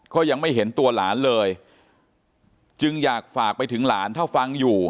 ก็ยังไม่เห็นตัวหลานเลยจึงอยากฝากไปถึงหลานถ้าฟังอยู่